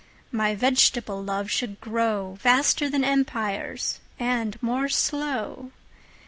My vegetable Love should growVaster then Empires, and more slow.